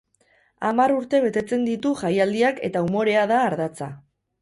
Hamar urte betetzen ditu jaialdiak eta umorea da ardatza.